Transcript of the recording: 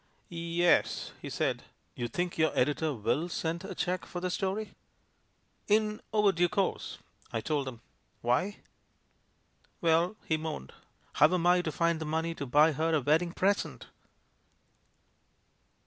"Y e s," he said. ... "You think your editor mil send a cheque for the story?" "In overdue course," I told him. "Why?" "Well," he moaned, "how am I to find the money to buy her a wedding present?"